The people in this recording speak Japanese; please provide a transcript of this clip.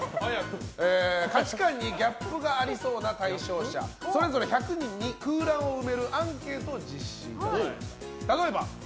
価値観に差がありそうな対象者それぞれ１００人に空欄を埋めるアンケートを実施いたします。